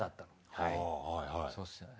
はいそうですよね。